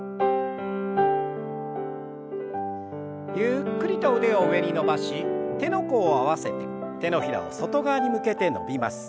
ゆっくりと腕を上に伸ばし手の甲を合わせて手のひらを外側に向けて伸びます。